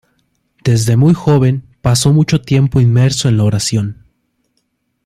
Desde muy joven, pasó mucho tiempo inmerso en la oración.